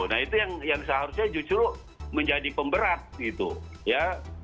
nah itu yang seharusnya justru menjadi pemberat gitu ya